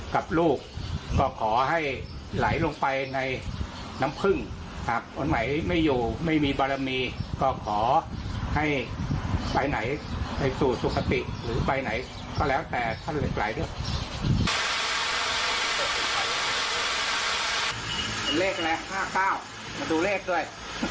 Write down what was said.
กับลูกก็ขอให้ไหลลงไปในน้ำพึ่งถ้าคนไหนไม่อยู่ไม่มีบารมีก็ขอให้ไปไหนไปสู่สุขติหรือไปไหนก็แล้วแต่ถ้าเรียกไกลด้วย